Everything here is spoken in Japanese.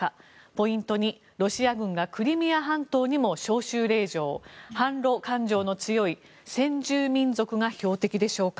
ポイント２、ロシア軍がクリミア半島にも招集令状反ロ感情の強い先住民族が標的でしょうか。